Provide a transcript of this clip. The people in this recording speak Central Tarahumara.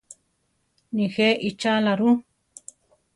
Nijé ichála ru?